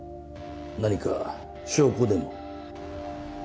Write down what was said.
何か証拠でも？